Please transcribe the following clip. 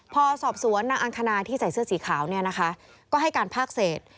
พอสอบสวนนางอังคณาที่ใส่เสื้อสีขาวให้การพากเศษ